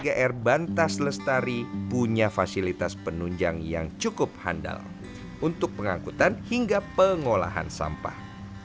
kr bantas lestari punya fasilitas penunjang yang cukup handal untuk pengangkutan hingga pengolahan sampah